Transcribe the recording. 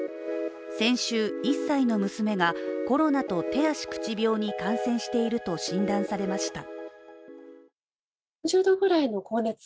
先週、１歳の娘がコロナと手足口病に感染していると診断されました。